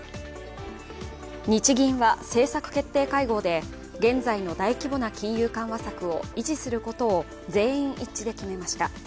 日銀は政策決定会合で現在の大規模な金融緩和策を維持することを全員一致で決めました。